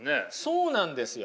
そうなんですよ。